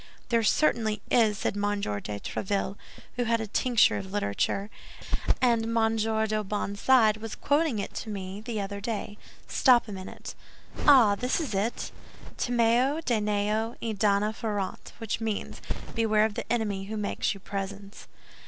"There certainly is one," said M. de Tréville, who had a tincture of literature, "and Monsieur de Benserade was quoting it to me the other day. Stop a minute—ah, this is it: 'Timeo Danaos et dona ferentes,' which means, 'Beware of the enemy who makes you presents."